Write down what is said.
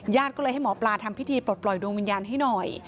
ญาติก็เลยให้หมอปลาทำพิธีปลดปล่อยดวงวิญญาณให้หน่อย